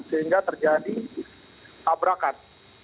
sehingga terjadi tabrakan